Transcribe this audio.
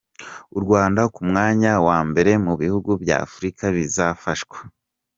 U Rwanda ku mwanya wa mbere mu bihugu bya Afurika bizafashwa